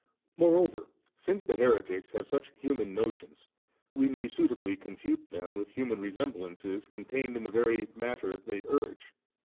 Moreover, since the heretics have such human notions, we may suitably confute them with human resemblances contained in the very matter they urge.